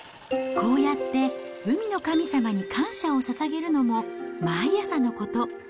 こうやって海の神様に感謝をささげるのも毎朝のこと。